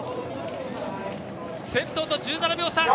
先頭と１７秒差。